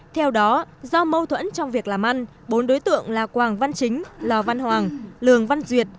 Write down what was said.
theo đó do mâu thuẫn trong việc làm ăn bốn đối tượng là quảng văn chính lò văn hoàng lường văn duyệt